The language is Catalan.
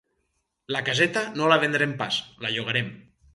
La caseta, no la vendrem pas: la llogarem.